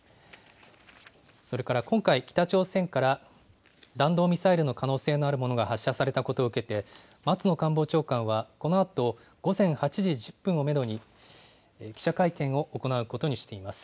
それから今回、北朝鮮から弾道ミサイルの可能性のあるものが発射されたことを受けて、松野官房長官は、このあと午前８時１０分をメドに、記者会見を行うことにしています。